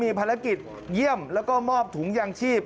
ภารกิจเยี่ยมแล้วก็มอบถุงยางชีพ